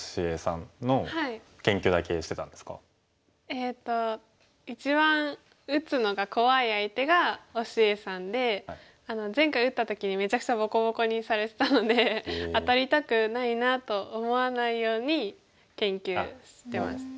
えっと一番打つのが怖い相手が於之瑩さんで前回打った時にめちゃくちゃボコボコにされたので当たりたくないなと思わないように研究してました。